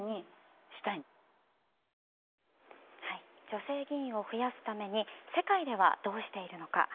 女性議員を増やすために世界ではどうしているのか。